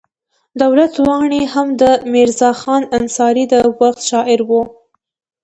دولت لواڼی هم د میرزا خان انصاري د وخت شاعر و.